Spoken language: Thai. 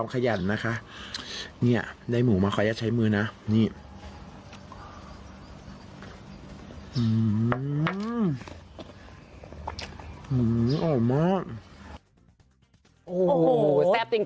โอ้โหแซ่บจริง